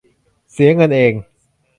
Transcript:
เสียเงินเอง